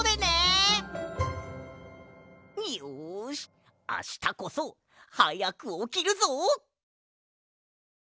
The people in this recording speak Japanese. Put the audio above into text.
よしあしたこそはやくおきるぞ！